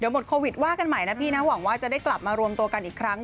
หมดโควิดว่ากันใหม่นะพี่นะหวังว่าจะได้กลับมารวมตัวกันอีกครั้ง